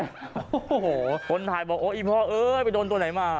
โอ้โหคนถ่ายบอกโอ้อีพ่อเอ้ยไปโดนตัวไหนมา